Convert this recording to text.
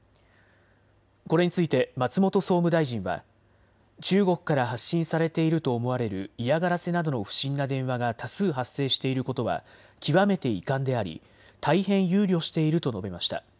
これについて松本総務大臣は中国から発信されていると思われる嫌がらせなどの不審な電話が多数発生していることは極めて遺憾であり大変憂慮していると述べました。